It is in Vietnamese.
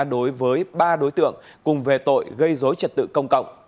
đối với ba đối tượng cùng về tội gây dối trật tự công cộng